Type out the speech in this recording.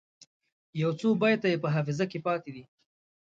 یو څو بیته یې په حافظه کې پاته دي.